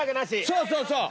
そうそうそう。